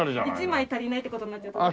１枚足りないって事になっちゃうと。